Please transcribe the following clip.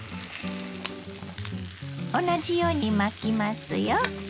同じように巻きますよ。